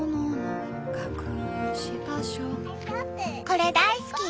これ大好き！